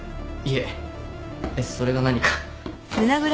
えっそれが何か？